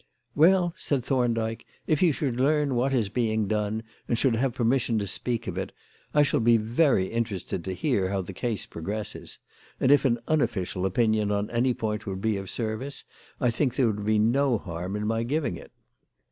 "Well," said Thorndyke, "if you should learn what is being done and should have permission to speak of it, I shall be very interested to hear how the case progresses; and if an unofficial opinion on any point would be of service, I think there would be no harm in my giving it."